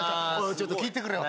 ちょっと聞いてくれよ